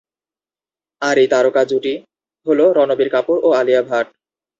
আর এই তারকা জুটি হলো রণবীর কাপুর ও আলিয়া ভাট।